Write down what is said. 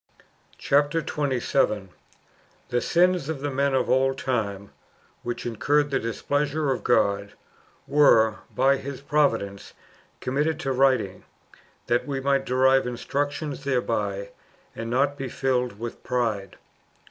— The sins of the men of old time, ivhich in curred the disi^leasnre of God, zuere, hy His 2^'i"ovidence, committed to writing, that tee might derive instruction therehy, and not he filled ivith j)ride.